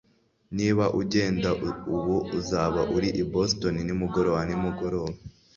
Niba ugenda ubu uzaba uri i Boston nimugoroba nimugoroba